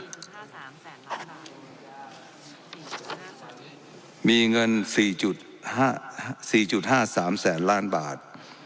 สี่จุดห้าสามแสนล้านบาทมีเงินสี่จุดห้าสี่จุดห้าสามแสนล้านบาท